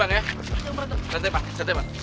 berantem bang berantem bang